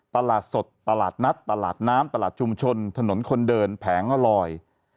ตลาดสดตลาดนัดตลาดน้ำตลาดชุมชนถนนคนเดินแผงลอย